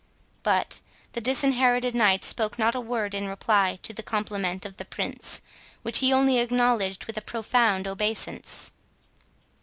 But the Disinherited Knight spoke not a word in reply to the compliment of the Prince, which he only acknowledged with a profound obeisance.